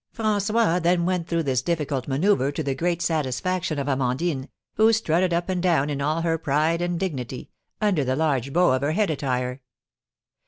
François then went through this difficult manoeuvre to the great satisfaction of Amandine, who strutted up and down in all her pride and dignity, under the large bow of her head attire.